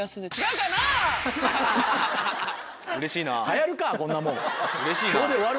うれしいな。